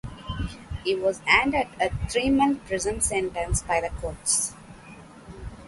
He was handed a three-month prison sentence by the courts.